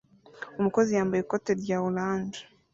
Umukozi yambaye ikoti rya orange